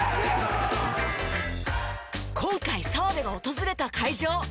今回澤部が訪れた会場。